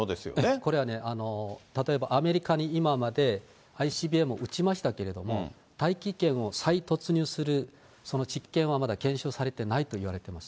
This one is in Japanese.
これはね、例えばアメリカに今まで、ＩＣＢＭを撃ちましたけれども、大気圏を再突入する、その実験はまだ検証されてないといわれてます。